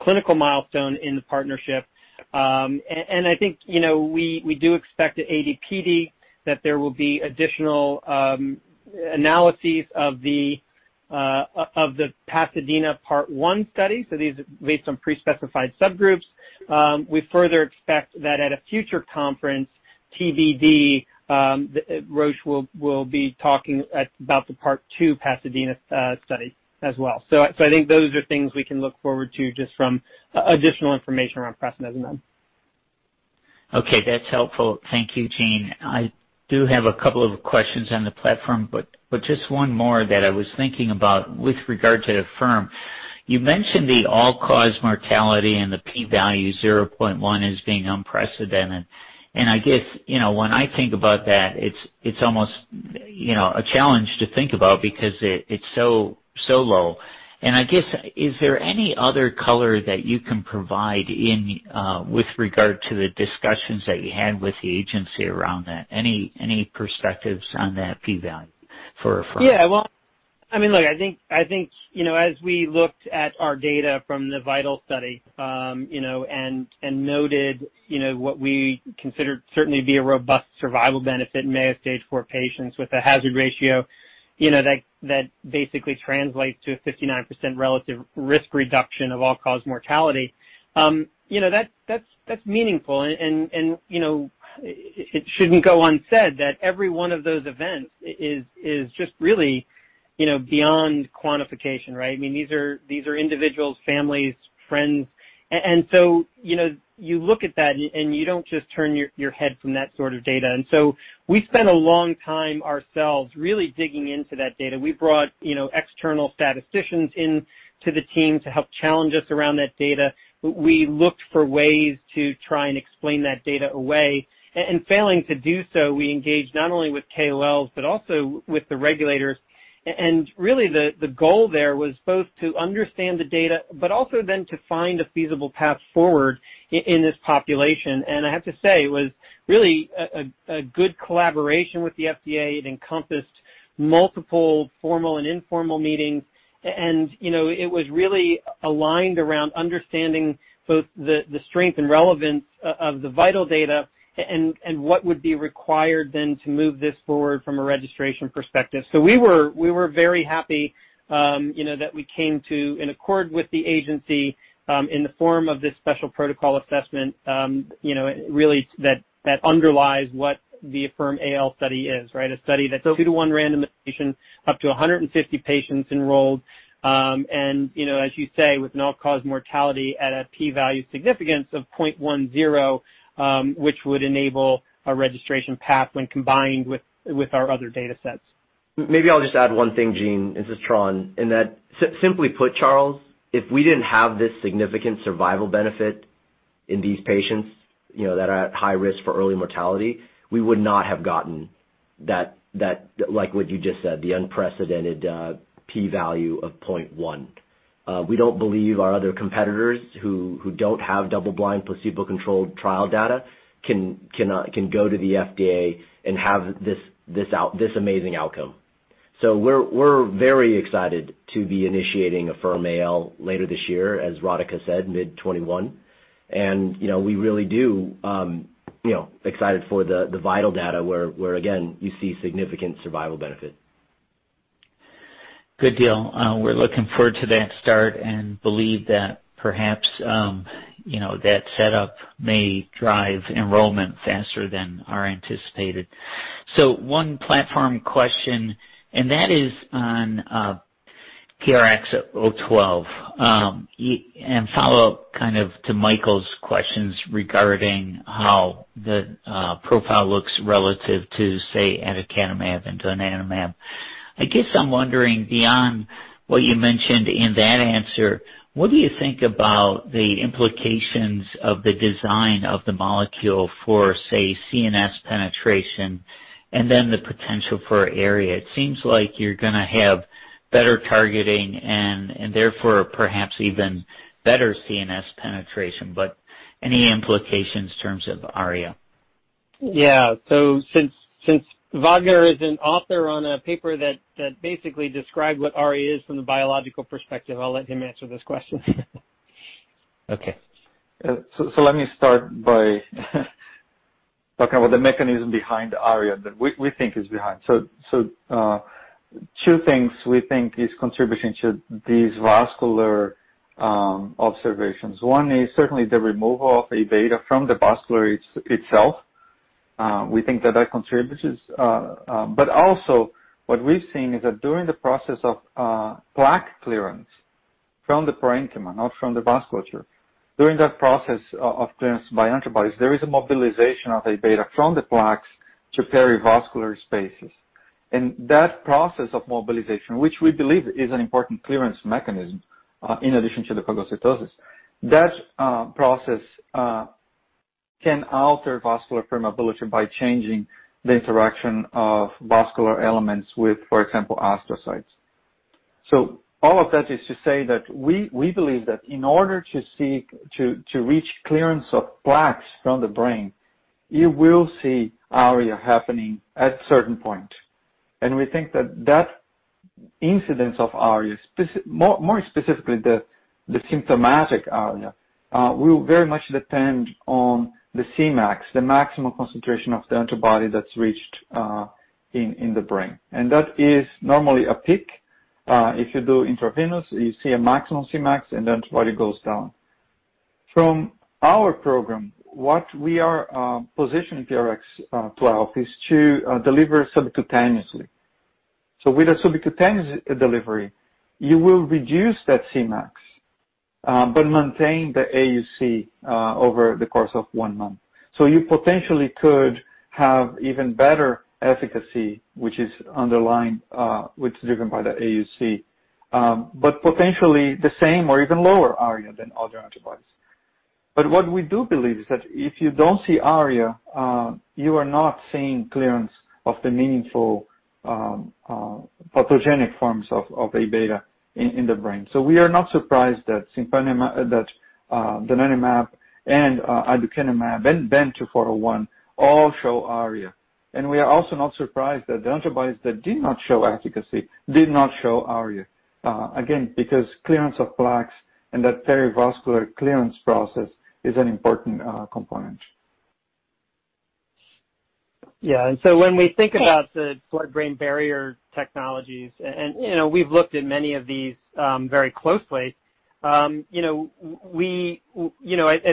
clinical milestone in the partnership. I think, we do expect at ADPD that there will be additional analyses of the PASADENA Part 1 study. These are based on pre-specified subgroups. We further expect that at a future conference, TBD, Roche will be talking about the Part 2 PASADENA study as well. I think those are things we can look forward to just from additional information around prasinezumab. Okay. That's helpful. Thank you, Gene. I do have a couple of questions on the platform, but just one more that I was thinking about with regard to the firm. You mentioned the all-cause mortality and the P value 0.1 as being unprecedented, and I guess, when I think about that, it's almost a challenge to think about because it's so low. I guess, is there any other color that you can provide with regard to the discussions that you had with the agency around that? Any perspectives on that P value for AFFIRM? Well, I think as we looked at our data from the VITAL study, and noted what we considered certainly to be a robust survival benefit in Mayo Stage IV patients with a hazard ratio that basically translates to a 59% relative risk reduction of all-cause mortality. That's meaningful. It shouldn't go unsaid that every one of those events is just really beyond quantification, right? These are individuals, families, friends. You look at that, and you don't just turn your head from that sort of data. We spent a long time ourselves really digging into that data. We brought external statisticians in to the team to help challenge us around that data. We looked for ways to try and explain that data away. Failing to do so, we engaged not only with KOLs but also with the regulators. Really the goal there was both to understand the data, but also then to find a feasible path forward in this population. I have to say, it was really a good collaboration with the FDA. It encompassed multiple formal and informal meetings. It was really aligned around understanding both the strength and relevance of the VITAL data and what would be required then to move this forward from a registration perspective. We were very happy that we came to an accord with the agency in the form of this Special Protocol Assessment that underlies what the AFFIRM-AL study is, right? A study that's a 2:1 randomization, up to 150 patients enrolled. As you say, with all-cause mortality at a P value significance of .10, which would enable a registration path when combined with our other datasets. Maybe I'll just add one thing, Gene Kinney. This is Tran Nguyen. In that, simply put, Charles Duncan, if we didn't have this significant survival benefit. In these patients that are at high risk for early mortality, we would not have gotten that, like what you just said, the unprecedented P value of 0.1. We don't believe our other competitors who don't have double-blind placebo-controlled trial data can go to the FDA and have this amazing outcome. We're very excited to be initiating AFFIRM-AL later this year, as Radhika Tripuraneni said, mid 2021. We really do, excited for the VITAL data where, again, you see significant survival benefit. Good deal. We're looking forward to that start and believe that perhaps that setup may drive enrollment faster than are anticipated. One platform question, and that is on PRX012. Follow kind of to Michael's questions regarding how the profile looks relative to, say, aducanumab and donanemab. I guess I'm wondering beyond what you mentioned in that answer, what do you think about the implications of the design of the molecule for, say, CNS penetration and then the potential for ARIA? Since you are gonna have, better targeting, and therefore perhaps even better CNS penetration, but any implications in terms ARIA? Yeah. Since Wagner is an author on a paper that basically described what ARIA is from the biological perspective, I'll let him answer this question. Okay. Let me start by talking about the mechanism behind ARIA. Two things we think is contributing to these vascular observations. One is certainly the removal of Aβ from the vasculature itself. We think that that contributes. Also what we've seen is that during the process of plaque clearance from the parenchyma, not from the vasculature, during that process of clearance by antibodies, there is a mobilization of Aβ from the plaques to perivascular spaces. That process of mobilization, which we believe is an important clearance mechanism in addition to the phagocytosis, that process can alter vascular permeability by changing the interaction of vascular elements with, for example, astrocytes. All of that is to say that we believe that in order to seek to reach clearance of plaques from the brain, you will see ARIA happening at a certain point. We think that that incidence of ARIAs, more specifically the symptomatic ARIA, will very much depend on the Cmax, the maximum concentration of the antibody that's reached in the brain. That is normally a peak. If you do intravenous, you see a maximum Cmax, and the antibody goes down. From our program, what we are positioning PRX012 is to deliver subcutaneously. With a subcutaneous delivery, you will reduce that Cmax but maintain the AUC over the course of one month. You potentially could have even better efficacy, which is underlined, which is driven by the AUC. Potentially the same or even lower ARIA than other antibodies. What we do believe is that if you don't see ARIA, you are not seeing clearance of the meaningful pathogenic forms of Aβ in the brain. We are not surprised that donanemab and aducanumab and BAN2401 all show ARIA. We are also not surprised that the antibodies that did not show efficacy did not show ARIA. Again, because clearance of plaques and that perivascular clearance process is an important component. Yeah. When we think about the blood-brain barrier technologies, and we've looked at many of these very closely. I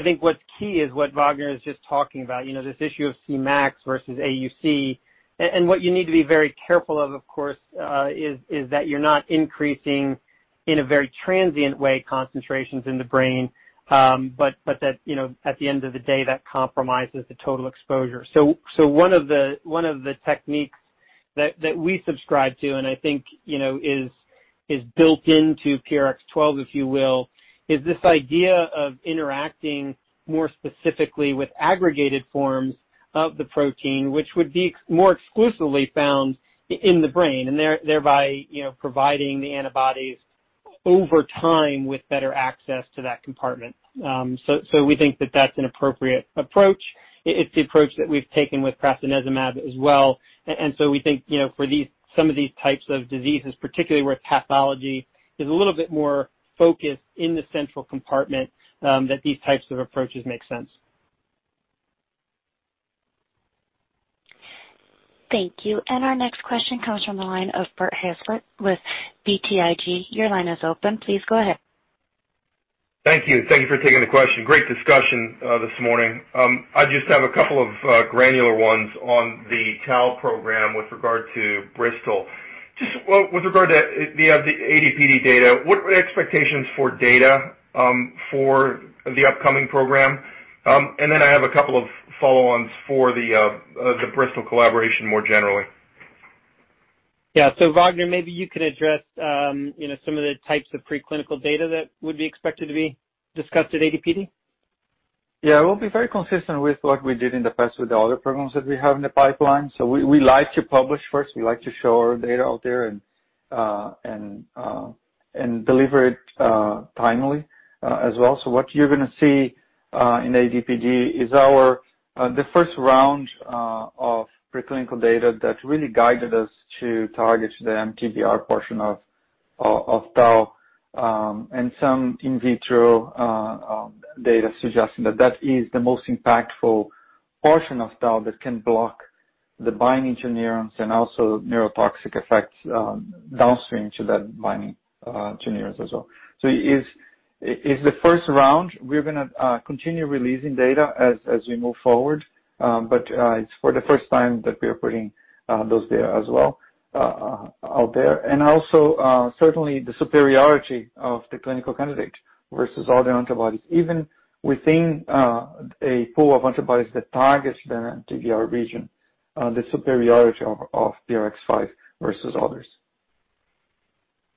think what's key is what Wagner is just talking about. This issue of Cmax versus AUC. What you need to be very careful of course, is that you're not increasing in a very transient way concentrations in the brain. That at the end of the day, that compromises the total exposure. One of the techniques that we subscribe to, and I think is built into PRX012, if you will, is this idea of interacting more specifically with aggregated forms of the protein, which would be more exclusively found in the brain, and thereby providing the antibodies over time with better access to that compartment. We think that that's an appropriate approach. It's the approach that we've taken with prasinezumab as well. We think, for some of these types of diseases, particularly where pathology is a little bit more focused in the central compartment, that these types of approaches make sense. Thank you. Our next question comes from the line of Bert Hazlett with BTIG. Your line is open. Please go ahead. Thank you. Thank you for taking the question. Great discussion this morning. I just have a couple of granular ones on the tau program with regard to Bristol. Just with regard to the ADPD data, what are the expectations for data for the upcoming program? I have a couple of follow-ons for the Bristol collaboration more generally. Yeah. Wagner, maybe you can address some of the types of preclinical data that would be expected to be discussed at ADPD. Yeah. We'll be very consistent with what we did in the past with the other programs that we have in the pipeline. We like to publish first. We like to show our data out there and deliver it timely as well. What you're going to see in ADPD is the first round of preclinical data that really guided us to target the MTBR portion of tau, and some in vitro data suggesting that is the most impactful portion of tau that can block the binding to neurons and also neurotoxic effects downstream to that binding to neurons as well. It's the first round. We're going to continue releasing data as we move forward. It's for the first time that we're putting those data as well out there. Also, certainly the superiority of the clinical candidate versus all the antibodies, even within a pool of antibodies that targets the MTBR region, the superiority of PRX005 versus others.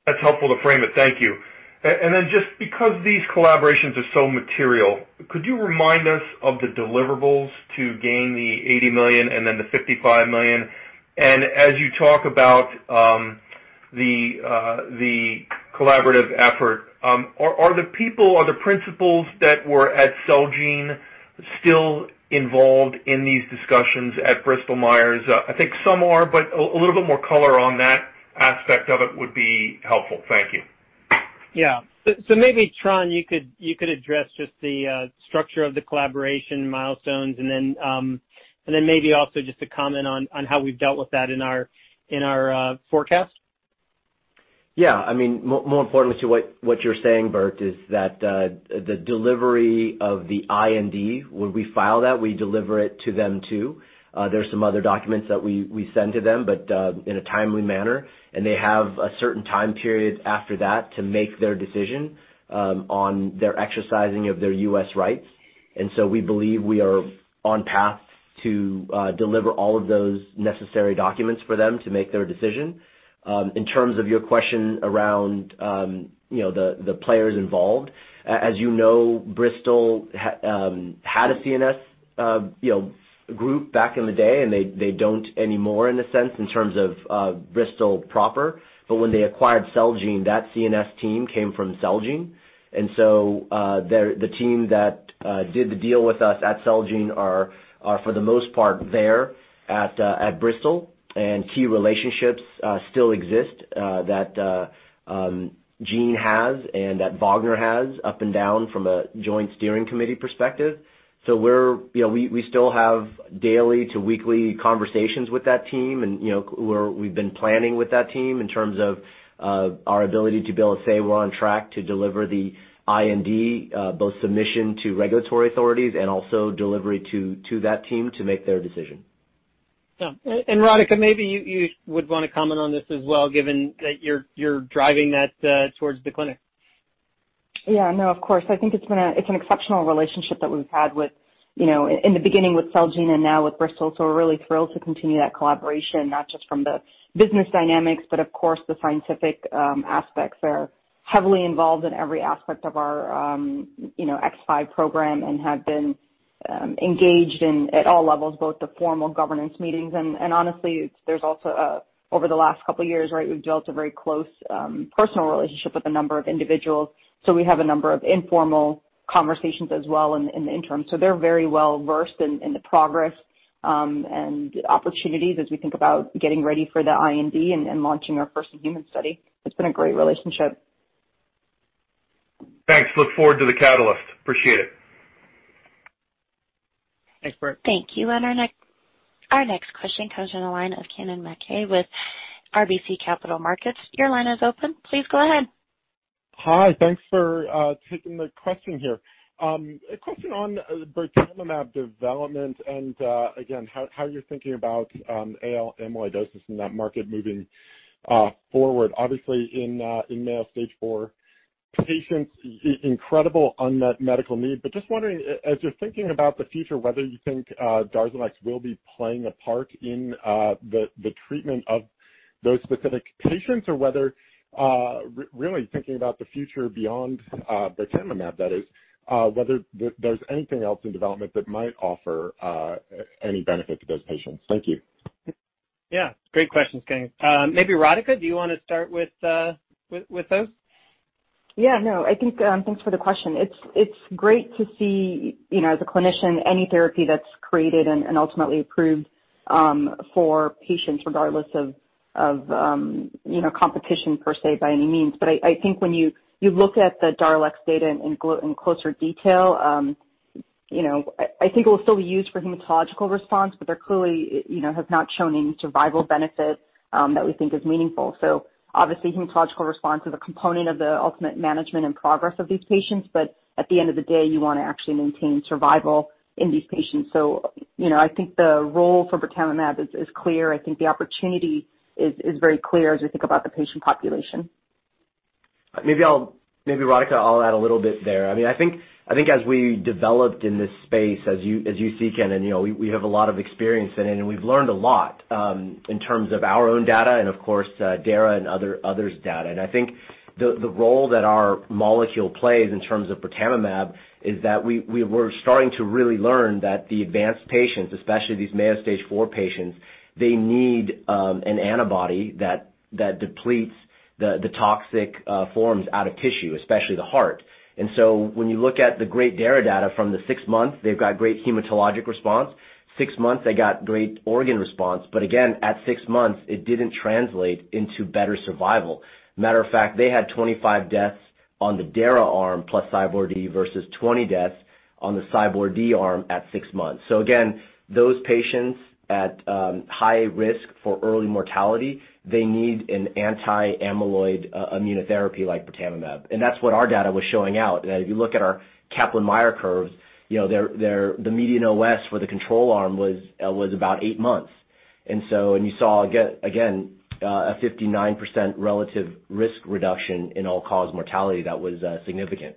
That's helpful to frame it. Thank you. Just because these collaborations are so material, could you remind us of the deliverables to gain the $80 million and then the $55 million? As you talk about the collaborative effort, are the principals that were at Celgene still involved in these discussions at Bristol Myers? I think some are, but a little bit more color on that aspect of it would be helpful. Thank you. Yeah. Maybe, Tran, you could address just the structure of the collaboration milestones and then maybe also just a comment on how we've dealt with that in our forecast. Yeah. More importantly to what you're saying, Bert, is that the delivery of the IND, when we file that, we deliver it to them, too. There's some other documents that we send to them, but in a timely manner. They have a certain time period after that to make their decision on their exercising of their U.S. rights. We believe we are on path to deliver all of those necessary documents for them to make their decision. In terms of your question around the players involved, as you know, Bristol had a CNS group back in the day, and they don't anymore in a sense, in terms of Bristol proper. When they acquired Celgene, that CNS team came from Celgene. The team that did the deal with us at Celgene are for the most part there at Bristol, and key relationships still exist that Gene has and that Wagner has up and down from a joint steering committee perspective. We still have daily to weekly conversations with that team, and we've been planning with that team in terms of our ability to be able to say we're on track to deliver the IND, both submission to regulatory authorities and also delivery to that team to make their decision. Yeah. Radhika, maybe you would want to comment on this as well, given that you're driving that towards the clinic. No, of course. I think it's an exceptional relationship that we've had in the beginning with Celgene and now with Bristol. We're really thrilled to continue that collaboration, not just from the business dynamics, but of course the scientific aspects are heavily involved in every aspect of our PRX005 program and have been engaged at all levels, both the formal governance meetings and honestly, there's also over the last couple of years, we've built a very close personal relationship with a number of individuals. We have a number of informal conversations as well in the interim. They're very well versed in the progress and opportunities as we think about getting ready for the IND and launching our first human study. It's been a great relationship. Thanks. Look forward to the catalyst. Appreciate it. Thanks, Bert. Thank you. Our next question comes from the line of Kennen MacKay with RBC Capital Markets. Your line is open. Please go ahead. Hi. Thanks for taking the question here. A question on birtamimab development and, again, how you're thinking about AL amyloidosis in that market moving forward. Obviously in Mayo Stage IV patients, incredible unmet medical need. Just wondering, as you're thinking about the future, whether you think Darzalex will be playing a part in the treatment of those specific patients or whether really thinking about the future beyond birtamimab that is, whether there's anything else in development that might offer any benefit to those patients. Thank you. Yeah. Great questions, Kennen MacKay. Maybe Radhika, do you want to start with those? Yeah. No, thanks for the question. It's great to see, as a clinician, any therapy that's created and ultimately approved for patients, regardless of competition per se by any means. I think when you look at the Darzalex data in closer detail, I think it will still be used for hematological response, but they clearly have not shown any survival benefit that we think is meaningful. Obviously, hematological response is a component of the ultimate management and progress of these patients. At the end of the day, you want to actually maintain survival in these patients. I think the role for birtamimab is clear. I think the opportunity is very clear as we think about the patient population. Maybe Radhika, I'll add a little bit there. I think as we developed in this space, as you see, Ken, and we have a lot of experience in it, and we've learned a lot in terms of our own data and, of course, Dara and others' data. I think the role that our molecule plays in terms of birtamimab is that we're starting to really learn that the advanced patients, especially these Mayo Stage IV patients, they need an antibody that depletes the toxic forms out of tissue, especially the heart. When you look at the great Dara data from the six months, they've got great hematologic response. Six months, they got great organ response. Again, at six months, it didn't translate into better survival. Matter of fact, they had 25 deaths on the Dara arm plus CyBorD versus 20 deaths on the CyBorD arm at six months. Again, those patients at high risk for early mortality, they need an anti-amyloid immunotherapy like birtamimab. That's what our data was showing out, that if you look at our Kaplan-Meier curves, the median OS for the control arm was about eight months. You saw, again, a 59% relative risk reduction in all-cause mortality that was significant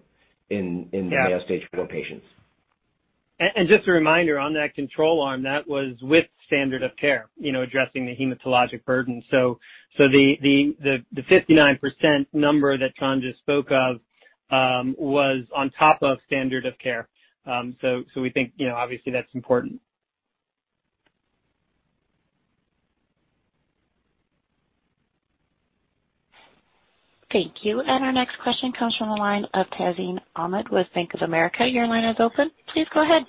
in- Yeah Mayo Stage IV patients. Just a reminder on that control arm, that was with standard of care, addressing the hematologic burden. The 59% number that Tran spoke of was on top of standard of care. We think, obviously, that's important. Thank you. Our next question comes from the line of Tazeen Ahmad with Bank of America. Your line is open. Please go ahead.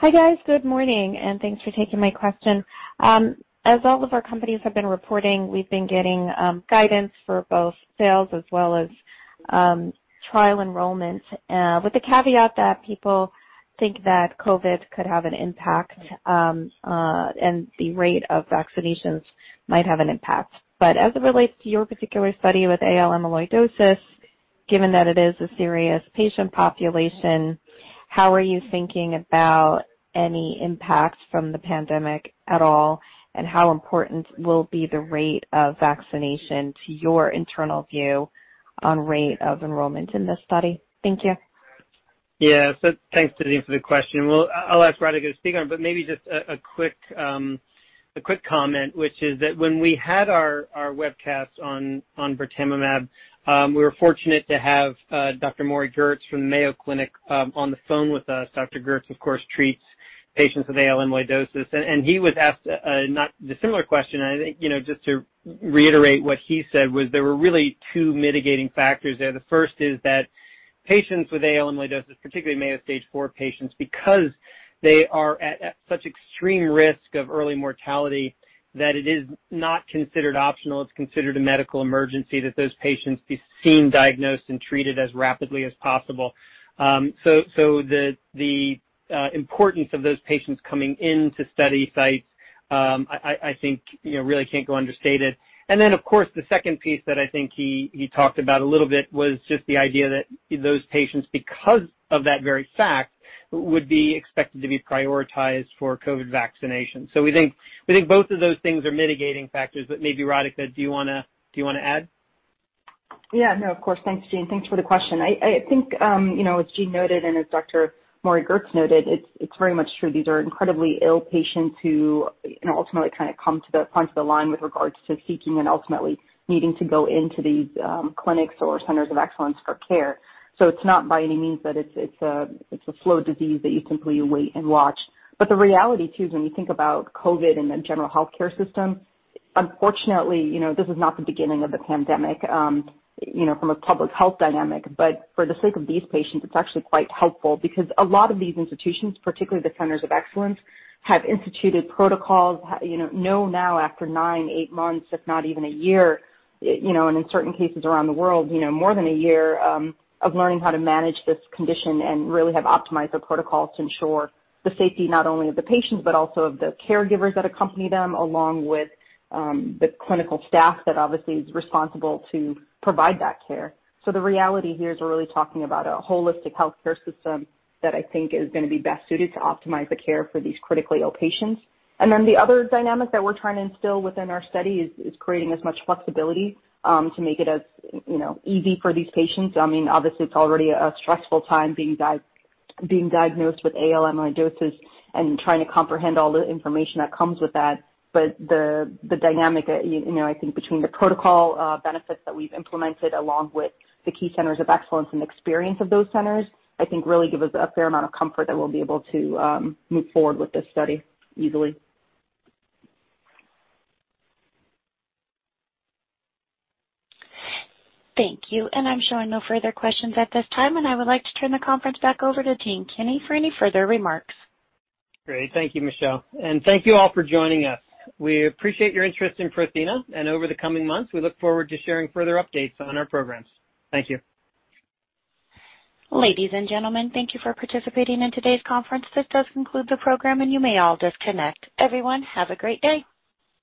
Hi, guys. Good morning, and thanks for taking my question. As all of our companies have been reporting, we've been getting guidance for both sales as well as trial enrollment, with the caveat that people think that COVID could have an impact and the rate of vaccinations might have an impact. As it relates to your particular study with AL amyloidosis, given that it is a serious patient population, how are you thinking about any impact from the pandemic at all, and how important will be the rate of vaccination to your internal view on rate of enrollment in this study? Thank you. Thanks, Tazeen, for the question. Well, I'll ask Radhika to speak on it, but maybe just a quick comment, which is that when we had our webcast on birtamimab, we were fortunate to have Dr. Morie Gertz from Mayo Clinic on the phone with us. Dr. Gertz, of course, treats patients with AL amyloidosis, he was asked the similar question. I think just to reiterate what he said was there were really two mitigating factors there. The first is that patients with AL amyloidosis, particularly Mayo Stage IV patients, because they are at such extreme risk of early mortality that it is not considered optional. It's considered a medical emergency that those patients be seen, diagnosed, and treated as rapidly as possible. The importance of those patients coming into study sites, I think really can't go understated. Then, of course, the second piece that I think he talked about a little bit was just the idea that those patients, because of that very fact, would be expected to be prioritized for COVID vaccination. We think both of those things are mitigating factors, but maybe Radhika, do you want to add? Yeah, no, of course. Thanks, Tazeen. Thanks for the question. I think as Gene noted and as Dr. Morie Gertz noted, it's very much true. These are incredibly ill patients who ultimately come to the front of the line with regards to seeking and ultimately needing to go into these clinics or centers of excellence for care. It's not by any means that it's a slow disease that you simply wait and watch. The reality, too, is when you think about COVID and the general healthcare system, unfortunately, this is not the beginning of the pandemic from a public health dynamic. For the sake of these patients, it's actually quite helpful because a lot of these institutions, particularly the centers of excellence, have instituted protocols, know now after nine, eight months, if not even a year, and in certain cases around the world, more than a year of learning how to manage this condition and really have optimized their protocols to ensure the safety not only of the patients, but also of the caregivers that accompany them, along with the clinical staff that obviously is responsible to provide that care. The reality here is we're really talking about a holistic healthcare system that I think is going to be best suited to optimize the care for these critically ill patients. The other dynamic that we're trying to instill within our study is creating as much flexibility to make it as easy for these patients. Obviously, it's already a stressful time being diagnosed with AL amyloidosis and trying to comprehend all the information that comes with that. The dynamic, I think between the protocol benefits that we've implemented, along with the key centers of excellence and experience of those centers, I think really give us a fair amount of comfort that we'll be able to move forward with this study easily. Thank you. I'm showing no further questions at this time, and I would like to turn the conference back over to Gene Kinney for any further remarks. Great. Thank you, Michelle. Thank you all for joining us. We appreciate your interest in Prothena, and over the coming months, we look forward to sharing further updates on our programs. Thank you. Ladies and gentlemen, thank you for participating in today's conference. This does conclude the program, and you may all disconnect. Everyone, have a great day.